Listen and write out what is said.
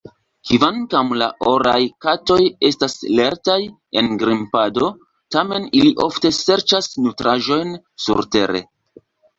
Kvankam la oraj katoj estas lertaj en grimpado, tamen ili ofte serĉas nutraĵojn surtere.